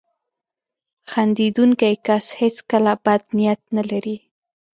• خندېدونکی کس هیڅکله بد نیت نه لري.